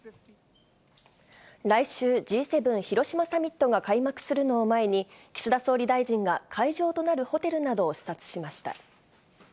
来週、Ｇ７広島サミットが開幕するのを前に、岸田総理大臣が会場となるホテルなどを視察しました。